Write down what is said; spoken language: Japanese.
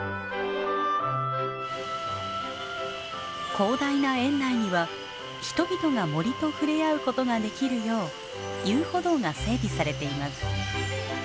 広大な園内には人々が森と触れ合うことができるよう遊歩道が整備されています。